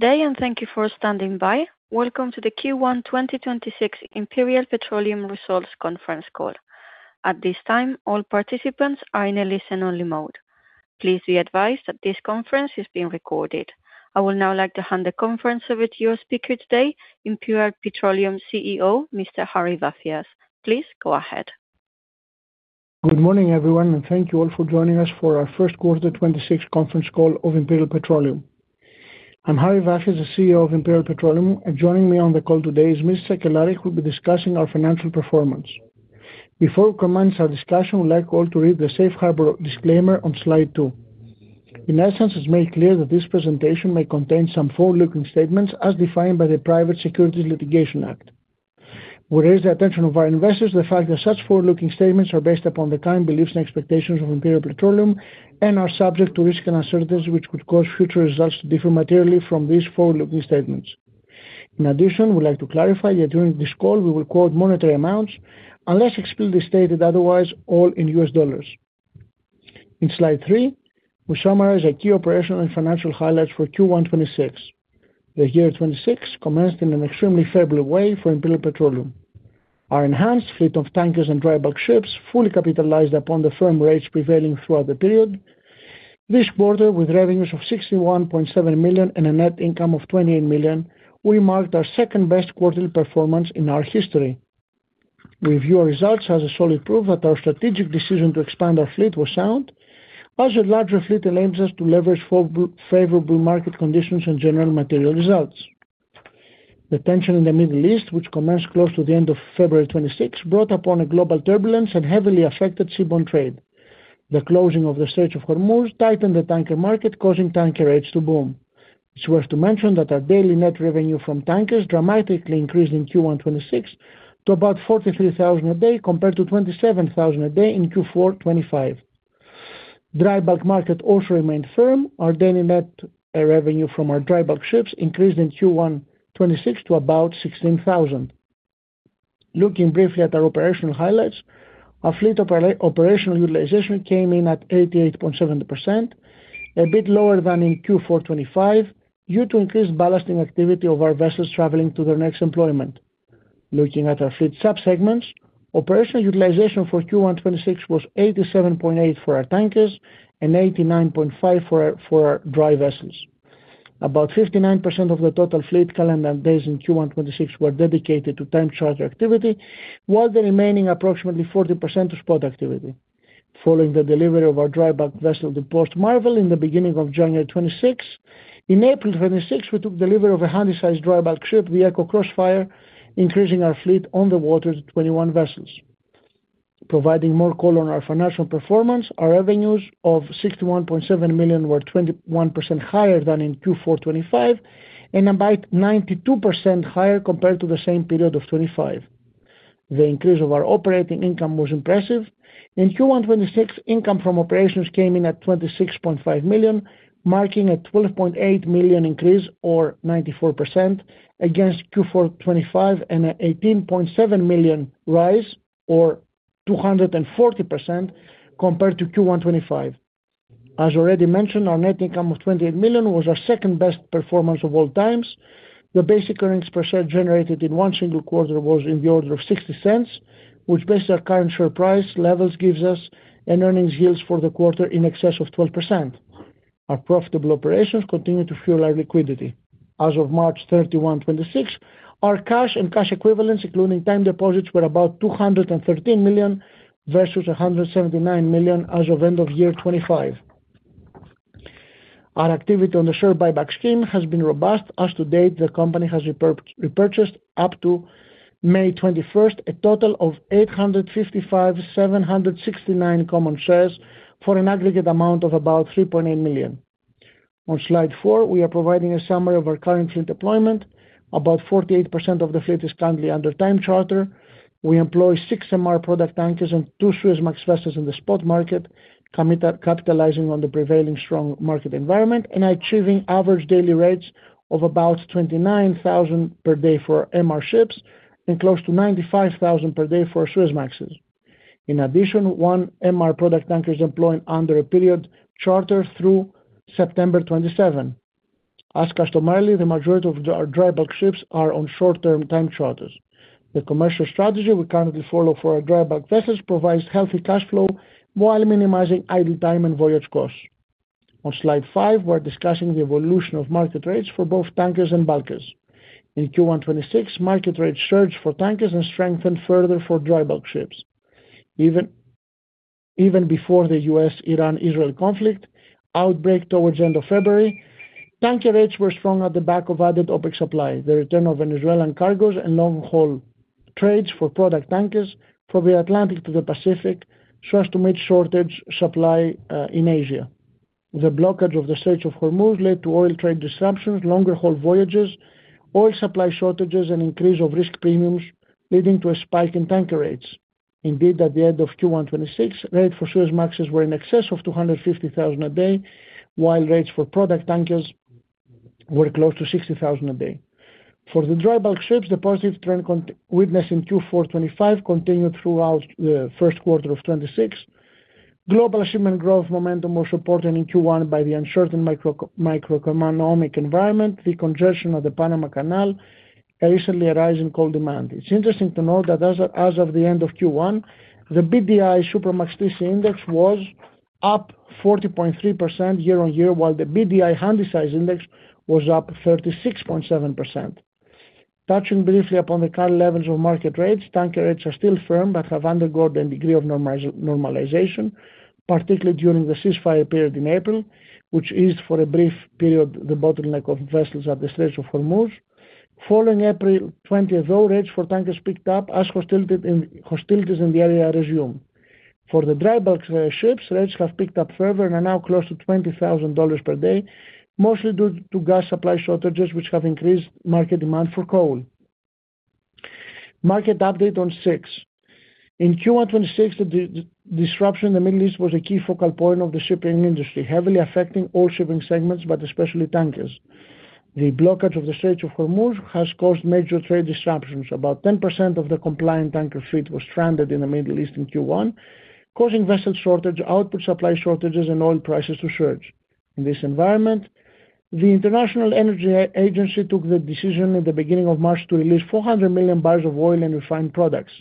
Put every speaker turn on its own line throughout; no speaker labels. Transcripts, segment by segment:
Good day, and thank you for standing by. Welcome to the Q1 2026 Imperial Petroleum Results Conference Call. At this time, all participants are in a listen-only mode. Please be advised that this conference is being recorded. I would now like to hand the conference over to your speaker today, Imperial Petroleum CEO, Mr. Harry Vafias. Please go ahead.
Good morning, everyone, and thank you all for joining us for our first quarter 2026 conference call of Imperial Petroleum. I'm Harry Vafias, the CEO of Imperial Petroleum, and joining me on the call today is Ms. Sakellari, who'll be discussing our financial performance. Before we commence our discussion, we'd like all to read the Safe Harbor disclaimer on slide two. In essence, it's made clear that this presentation may contain some forward-looking statements as defined by the Private Securities Litigation Reform Act. We raise the attention of our investors to the fact that such forward-looking statements are based upon the current beliefs and expectations of Imperial Petroleum and are subject to risks and uncertainties which could cause future results to differ materially from these forward-looking statements. In addition, we'd like to clarify that during this call, we will quote monetary amounts, unless explicitly stated otherwise, all in U.S. dollars. In slide three, we summarize our key operational and financial highlights for Q1 2026. The year 2026 commenced in an extremely favorable way for Imperial Petroleum. Our enhanced fleet of tankers and drybulk ships fully capitalized upon the firm rates prevailing throughout the period. This quarter, with revenues of $61.7 million and a net income of $28 million, we marked our second-best quarterly performance in our history. We view our results as a solid proof that our strategic decision to expand our fleet was sound, as a larger fleet enables us to leverage favorable market conditions and generate material results. The tension in the Middle East, which commenced close to the end of February 2026, brought upon a global turbulence and heavily affected seaborne trade. The closing of the Strait of Hormuz tightened the tanker market, causing tanker rates to boom. It's worth to mention that our daily net revenue from tankers dramatically increased in Q1 2026 to about $43,000 a day compared to $27,000 a day in Q4 2025. drybulk market also remained firm. Our daily net revenue from our drybulk ships increased in Q1 2026 to about $16,000. Looking briefly at our operational highlights, our fleet operational utilization came in at 88.7%, a bit lower than in Q4 2025 due to increased ballasting activity of our vessels traveling to their next employment. Looking at our fleet subsegments, operational utilization for Q1 2026 was 87.8% for our tankers and 89.5% for our dry vessels. About 59% of the total fleet calendar days in Q1 2026 were dedicated to time charter activity, while the remaining approximately 40% to spot activity. Following the delivery of our drybulk vessel, the Post Marvel, in the beginning of January 2026, in April 2026, we took delivery of a Handysize drybulk ship, the Eco Crossfire, increasing our fleet on the water to 21 vessels. Providing more color on our financial performance, our revenues of $61.7 million were 21% higher than in Q4 2025 and about 92% higher compared to the same period of 2025. The increase of our operating income was impressive. In Q1 2026, income from operations came in at $26.5 million, marking a $12.8 million increase or 94% against Q4 2025 and an $18.7 million rise or 240% compared to Q1 2025. As already mentioned, our net income of $28 million was our second-best performance of all times. The basic earnings per share generated in one single quarter was in the order of $0.60, which based on our current share price levels gives us an earnings yield for the quarter in excess of 12%. Our profitable operations continue to fuel our liquidity. As of March 31, 2026, our cash and cash equivalents, including time deposits, were about $213 million versus $179 million as of end of year 2025. Our activity on the share buyback scheme has been robust as to date the company has repurchased up to May 21st a total of 855,769 common shares for an aggregate amount of about $3.8 million. On slide four, we are providing a summary of our current fleet deployment. About 48% of the fleet is currently under time charter. We employ six MR product tankers and two suezmax vessels in the spot market, capitalizing on the prevailing strong market environment and achieving average daily rates of about $29,000 per day for MR ships and close to $95,000 per day for suezmaxes. In addition, one MR product tanker is employed under a period charter through September 2027. As customarily, the majority of our drybulk ships are on short-term time charters. The commercial strategy we currently follow for our drybulk vessels provides healthy cash flow while minimizing idle time and voyage costs. On slide five, we're discussing the evolution of market rates for both tankers and bulkers. In Q1 2026, market rates surged for tankers and strengthened further for drybulk ships. Even before the U.S.-Iran-Israel conflict outbreak towards the end of February, tanker rates were strong at the back of added OPEC supply, the return of Venezuelan cargoes, and long-haul trades for product tankers from the Atlantic to the Pacific so as to meet shortage supply in Asia. The blockage of the Strait of Hormuz led to oil trade disruptions, longer-haul voyages, oil supply shortages, and increase of risk premiums, leading to a spike in tanker rates. Indeed, at the end of Q1 2026, rates for suezmaxes were in excess of $250,000 a day. For the drybulk ships, the positive trend witnessed in Q4 2025 continued throughout the first quarter of 2026. Global shipment growth momentum was supported in Q1 by the uncertain macroeconomic environment, the congestion of the Panama Canal, a recent rise in coal demand. It's interesting to note that as of the end of Q1, the BDI Supramax TC index was up 40.3% year-on-year, while the BDI Handysize index was up 36.7%. Touching briefly upon the current levels of market rates, tanker rates are still firm but have undergone a degree of normalization, particularly during the ceasefire period in April, which eased for a brief period the bottleneck of vessels at the Strait of Hormuz. Following April 20th, though, rates for tankers picked up as hostilities in the area resumed. For the drybulk ships, rates have picked up further and are now close to $20,000 per day, mostly due to gas supply shortages, which have increased market demand for coal. Market update on six. In Q1 2026, the disruption in the Middle East was a key focal point of the shipping industry, heavily affecting all shipping segments, but especially tankers. The blockage of the Strait of Hormuz has caused major trade disruptions. About 10% of the compliant tanker fleet was stranded in the Middle East in Q1, causing vessel shortage, output supply shortages, and oil prices to surge. In this environment, the International Energy Agency took the decision at the beginning of March to release 400 million barrels of oil and refined products.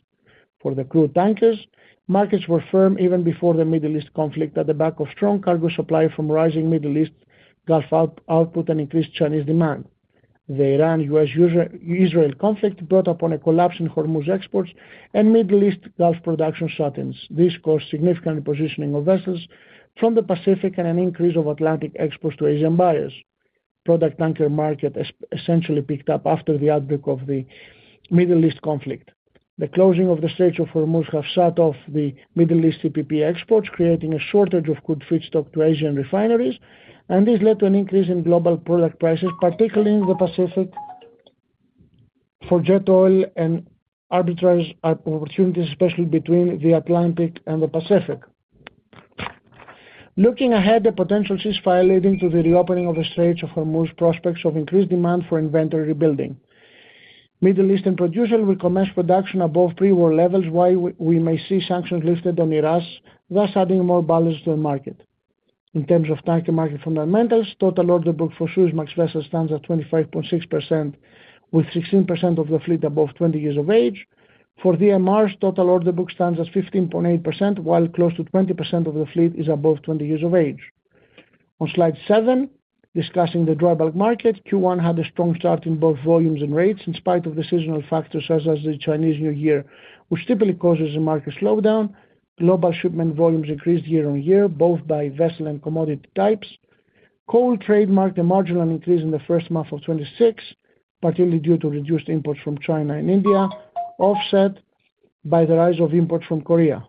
For the crude tankers, markets were firm even before the Middle East conflict at the back of strong cargo supply from rising Middle East Gulf output and increased Chinese demand. The Iran-U.S.-Israel conflict brought upon a collapse in Hormuz exports and Middle East Gulf production surges. This caused significant positioning of vessels from the Pacific and an increase of Atlantic exports to Asian buyers. Product tanker market essentially picked up after the outbreak of the Middle East conflict. The closing of the Strait of Hormuz have shut off the Middle East CPP exports, creating a shortage of good feedstock to Asian refineries. This led to an increase in global product prices, particularly in the Pacific for jet fuel and arbitrage opportunities, especially between the Atlantic and the Pacific. Looking ahead, the potential ceasefire leading to the reopening of the Strait of Hormuz prospects of increased demand for inventory rebuilding. Middle Eastern producers will commence production above pre-war levels while we may see sanctions lifted on Iraq, thus adding more balance to the market. In terms of tanker market fundamentals, total order book for suezmax vessels stands at 25.6%, with 16% of the fleet above 20 years of age. For MRs, total order book stands at 15.8%, while close to 20% of the fleet is above 20 years of age. On slide seven, discussing the drybulk market, Q1 had a strong start in both volumes and rates, in spite of the seasonal factors such as the Chinese New Year, which typically causes a market slowdown. Global shipment volumes increased year on year, both by vessel and commodity types. Coal trade marked a marginal increase in the first month of 2026, partially due to reduced imports from China and India, offset by the rise of imports from Korea.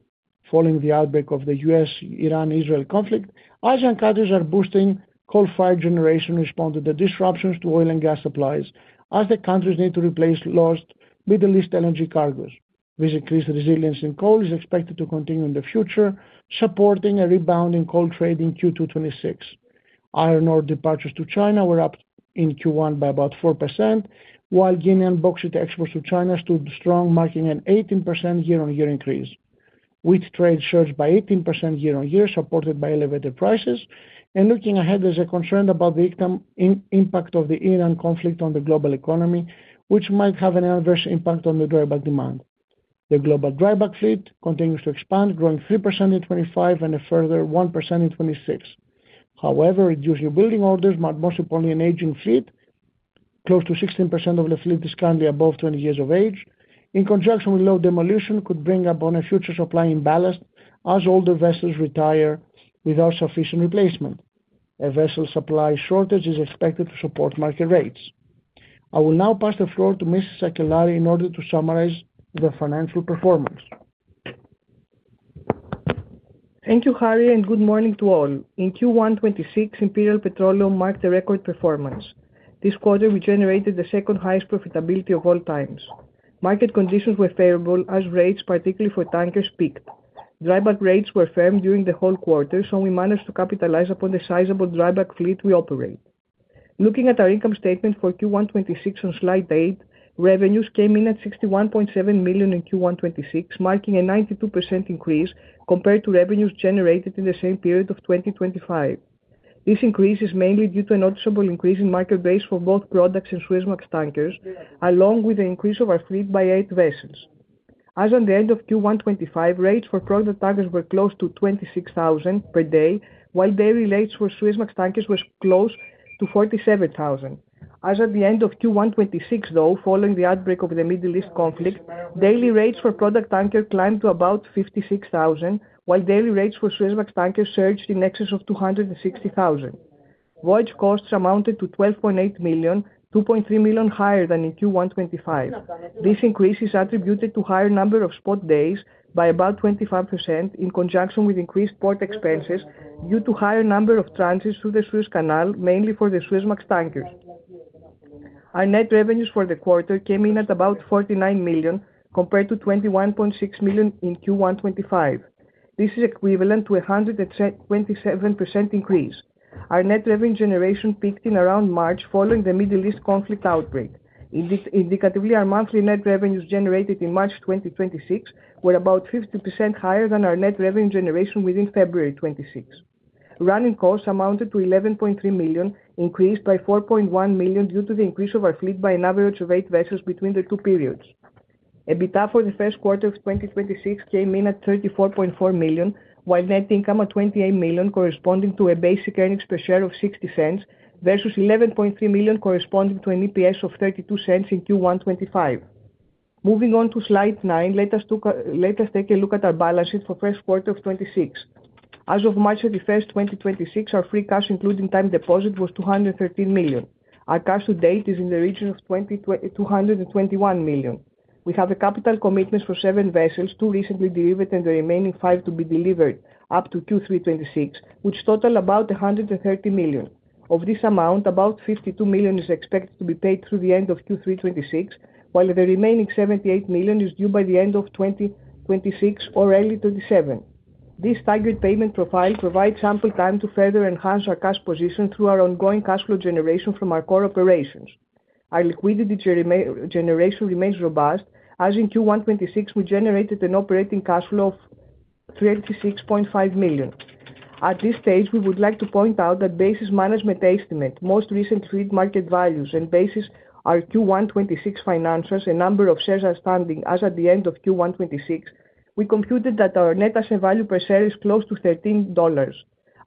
Following the outbreak of the U.S.-Iran-Israel conflict, Asian countries are boosting coal-fired generation in response to the disruptions to oil and gas supplies as the countries need to replace lost Middle East energy cargoes. This increased resilience in coal is expected to continue in the future, supporting a rebound in coal trade in Q2 2026. Iron ore departures to China were up in Q1 by about 4%, while Guinean bauxite exports to China stood strong, marking an 18% year-on-year increase. Wheat trade surged by 18% year-on-year, supported by elevated prices. Looking ahead, there's a concern about the impact of the Iran conflict on the global economy, which might have an adverse impact on the drybulk demand. The global drybulk fleet continues to expand, growing 3% in 2025 and a further 1% in 2026. However, reduced building orders might mostly point an aging fleet. Close to 16% of the fleet is currently above 20 years of age. In conjunction with low demolition could bring upon a future supply imbalance as older vessels retire without sufficient replacement. A vessel supply shortage is expected to support market rates. I will now pass the floor to Ms. Sakellari in order to summarize the financial performance.
Thank you, Harry, and good morning to all. In Q1 2026, Imperial Petroleum marked a record performance. This quarter, we generated the second-highest profitability of all times. Market conditions were favorable as rates, particularly for tankers, peaked. drybulk rates were firm during the whole quarter, so we managed to capitalize upon the sizable drybulk fleet we operate. Looking at our income statement for Q1 2026 on slide eight, revenues came in at $61.7 million in Q1 2026, marking a 92% increase compared to revenues generated in the same period of 2025. This increase is mainly due to a noticeable increase in market rates for both products and suezmax tankers, along with the increase of our fleet by eight vessels. As on the end of Q1 2025, rates for product tankers were close to $26,000 per day, while daily rates for suezmax tankers was close to $47,000. As at the end of Q1 2026, though, following the outbreak of the Middle East conflict, daily rates for product tanker climbed to about $56,000, while daily rates for suezmax tankers surged in excess of $260,000. Voyage costs amounted to $12.8 million, $2.3 million higher than in Q1 2025. This increase is attributed to higher number of spot days by about 25%, in conjunction with increased port expenses due to higher number of transits through the Suez Canal, mainly for the suezmax tankers. Our net revenues for the quarter came in at about $49 million, compared to $21.6 million in Q1 2025. This is equivalent to 127% increase. Our net revenue generation peaked in around March following the Middle East conflict outbreak. Indicatively, our monthly net revenues generated in March 2026 were about 50% higher than our net revenue generation within February 2026. Running costs amounted to $11.3 million, increased by $4.1 million due to the increase of our fleet by an average of eight vessels between the two periods. EBITDA for the first quarter of 2026 came in at $34.4 million, while net income at $28 million, corresponding to a basic earnings per share of $0.60 versus $11.3 million corresponding to an EPS of $0.32 in Q1 2025. Moving on to slide nine, let us take a look at our balance sheet for first quarter of 2026. As of March 31st, 2026, our free cash including time deposit was $213 million. Our cash to date is in the region of $221 million. We have a capital commitments for seven vessels, two recently delivered and the remaining five to be delivered up to Q3 2026, which total about $130 million. Of this amount, about $52 million is expected to be paid through the end of Q3 2026, while the remaining $78 million is due by the end of 2026 or early 2027. This staggered payment profile provides ample time to further enhance our cash position through our ongoing cash flow generation from our core operations. Our liquidity generation remains robust, as in Q1 2026, we generated an operating cash flow of $36.5 million. At this stage, we would like to point out that basis management estimate most recent fleet market values and basis our Q1 2026 financials and number of shares outstanding as at the end of Q1 2026, we computed that our net asset value per share is close to $13.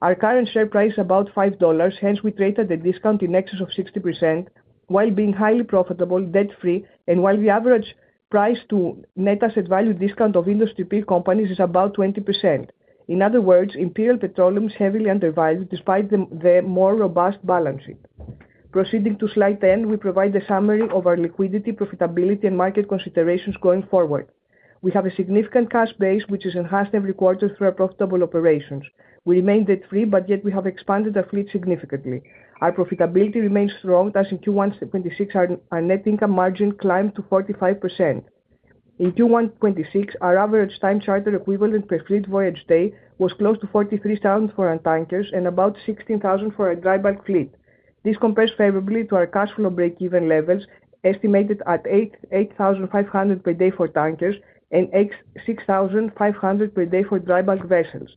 Our current share price is about $5. We trade at a discount in excess of 60%, while being highly profitable, debt-free and while the average price to net asset value discount of industry peer companies is about 20%. In other words, Imperial Petroleum is heavily undervalued despite the more robust balance sheet. Proceeding to slide 10, we provide a summary of our liquidity, profitability and market considerations going forward. We have a significant cash base, which is enhanced every quarter through our profitable operations. We remain debt-free, yet we have expanded our fleet significantly. Our profitability remains strong, as in Q1 2026, our net income margin climbed to 45%. In Q1 2026, our average time charter equivalent per fleet voyage day was close to 43,000 for our tankers and about 16,000 for our drybulk fleet. This compares favorably to our cash flow breakeven levels, estimated at $8,500 per day for tankers and $6,500 per day for drybulk vessels.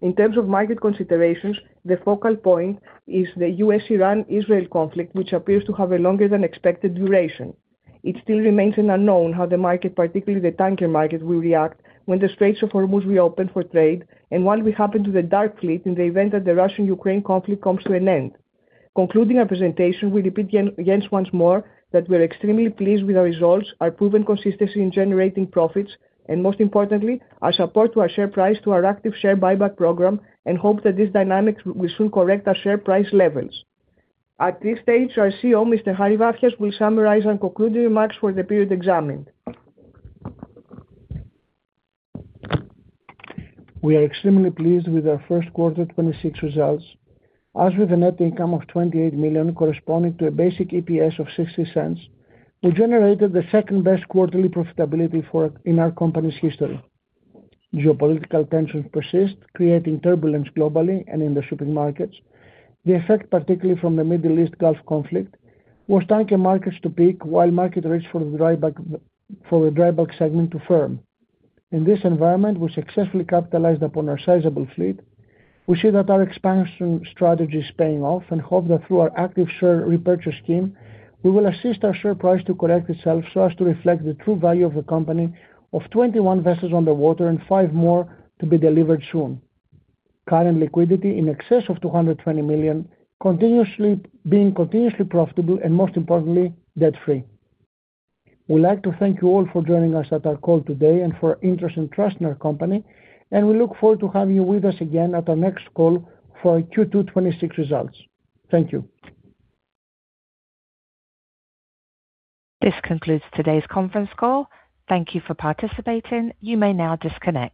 In terms of market considerations, the focal point is the U.S.-Iran-Israel conflict, which appears to have a longer than expected duration. It still remains an unknown how the market, particularly the tanker market, will react when the Straits of Hormuz reopen for trade and what will happen to the dark fleet in the event that the Russian-Ukraine conflict comes to an end. Concluding our presentation, we repeat again once more that we're extremely pleased with our results, our proven consistency in generating profits, and most importantly, our support to our share price through our active share buyback program and hope that this dynamic will soon correct our share price levels. At this stage, our CEO, Mr. Harry Vafias, will summarize and concluding remarks for the period examined.
We are extremely pleased with our first quarter 2026 results. As with a net income of $28 million corresponding to a basic EPS of $0.60, we generated the second-best quarterly profitability in our company's history. Geopolitical tensions persist, creating turbulence globally and in the shipping markets. The effect, particularly from the Middle East Gulf conflict, was tanker markets to peak while market rates for the drybulk segment to firm. In this environment, we successfully capitalized upon our sizable fleet. We see that our expansion strategy is paying off and hope that through our active share repurchase scheme, we will assist our share price to correct itself so as to reflect the true value of the company of 21 vessels on the water and five more to be delivered soon. Current liquidity in excess of $220 million, being continuously profitable, and most importantly, debt-free. We'd like to thank you all for joining us at our call today and for your interest and trust in our company, and we look forward to having you with us again at our next call for our Q2 2026 results. Thank you.
This concludes today's conference call. Thank you for participating. You may now disconnect.